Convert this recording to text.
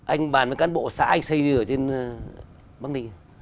anh bàn với cán bộ xã anh xây như ở trên bắc ninh